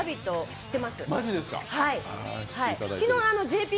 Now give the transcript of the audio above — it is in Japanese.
知ってます。